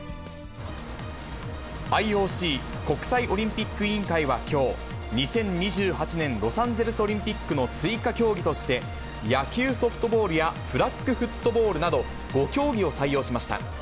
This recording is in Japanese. ＩＯＣ・国際オリンピック委員会はきょう、２０２８年ロサンゼルスオリンピックの追加競技として、野球・ソフトボールやフラッグフットボールなど、５競技を採用しました。